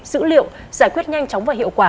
dữ liệu giải quyết nhanh chóng và hiệu quả